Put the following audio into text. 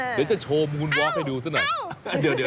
เดี๋ยวจะโชว์มูลวอล์ให้ดูซะหน่อย